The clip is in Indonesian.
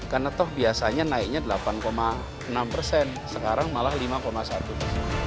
karena toh biasanya naiknya delapan enam persen sekarang malah lima satu persen